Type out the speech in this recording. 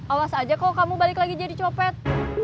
awas aja kok kamu balik lagi jadi copet